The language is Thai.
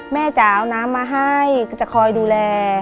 แม่จะเอาน้ำมาให้ก็จะคอยดูแล